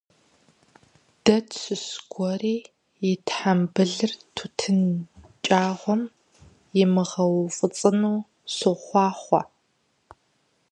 Дэ тщыщ гуэри и тхьэмбылыр тутын кӀагъуэм имыгъэуфӀыцӀыну сохъуахъуэ!